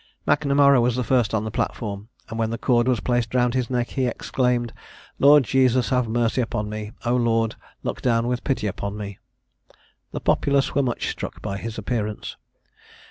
Macnamara was the first on the platform; and when the cord was placed round his neck, he exclaimed, "Lord Jesus, have mercy upon me! O Lord, look down with pity upon me!" The populace were much struck by his appearance.